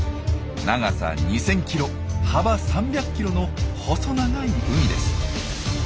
長さ２，０００ｋｍ幅３００ｋｍの細長い海です。